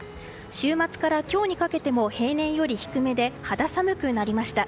週末から今日にかけても平年より低めで肌寒くなりました。